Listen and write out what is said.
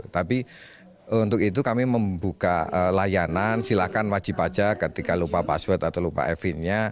tapi untuk itu kami membuka layanan silakan wajib pajak ketika lupa password atau lupa efin nya